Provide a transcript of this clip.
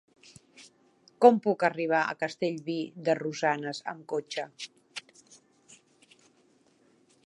Com puc arribar a Castellví de Rosanes amb cotxe?